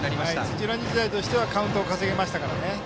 土浦日大としてはカウントを稼げましたからね。